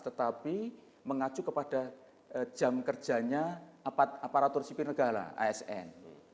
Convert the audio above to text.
tetapi mengacu kepada jam kerjanya aparatur sipil negara asn